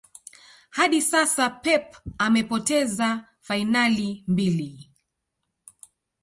hadi sasa Pep amepoteza fainali mbili